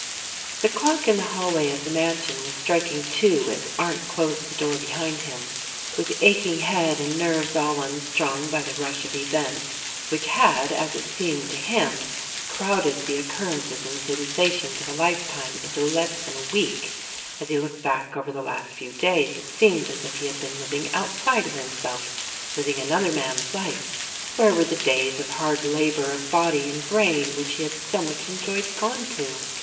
The clock in the hallway of the mansion was striking two as Arndt closed the door behind him. With aching head and nerves all unstrung by the rush of events, which had, as it seemed to him, crowded the occurrences and sensations of a life time into less than a week, as he looked back over the last few days it seemed as if he had been living outside of himself — living another man's life. Where were the days of hard labor of body and brain, which he had so much enjoyed, gone to?